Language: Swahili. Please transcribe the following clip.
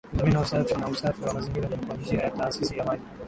Udhamini wa usafi na usafi wa mazingira ni kwa njia ya taasisi ya maji